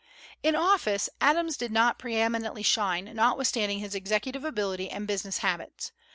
In office Adams did not pre eminently shine, notwithstanding his executive ability and business habits.